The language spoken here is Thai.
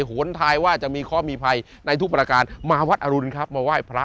หนทายว่าจะมีข้อมีภัยในทุกประการมาวัดอรุณครับมาไหว้พระ